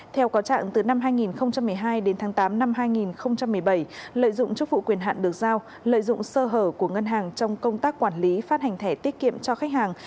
theo có trạng từ năm hai nghìn một mươi hai đến tháng tám năm hai nghìn một mươi bảy lợi dụng chức vụ quyền hạn được giao lợi dụng sơ hở của ngân hàng trong công tác quản lý phát hành thẻ tiết kiệm cho khách hàng